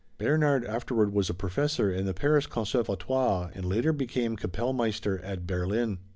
Bernhard afterward was a professor in the Paris Conservatoire and later became Kapellmeister at Berlin.